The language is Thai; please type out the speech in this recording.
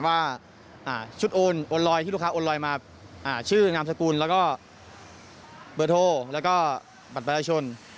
ว่าชุดโอนโอนลอยที่ลูกค้าโอนลอยมาชื่อนามสกุลแล้วก็เบอร์โทรแล้วก็บัตรประชาชน